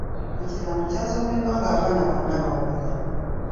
Ekiraamo kyasomeddwa ng'abaana bonna bawulira.